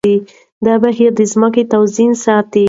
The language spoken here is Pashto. دا بهير د ځمکې توازن ساتي.